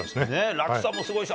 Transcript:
落差もすごいです。